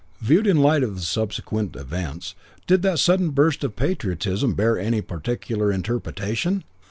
"Viewed in light of the subsequent events, did that sudden burst of patriotism bear any particular interpretation?